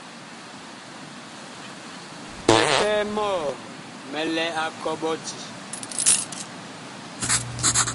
Mipɛɛ mɔɔ mi lɛ a kɔɓɔti.